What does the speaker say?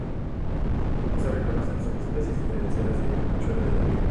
No se reconocen subespecies diferenciadas de camachuelo de David.